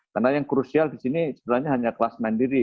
karena yang krusial di sini sebenarnya hanya kelas tiga